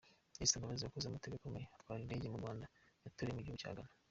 Esther Mbabazi wakoze amateka akomeye atwara indege mu Rwanda yatoreye mu gihugu cya Ghana.